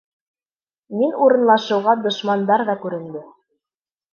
Мин урынлашыуға дошмандар ҙа күренде.